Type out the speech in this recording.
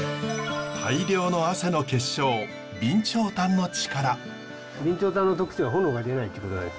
大量の汗の結晶備長炭の力。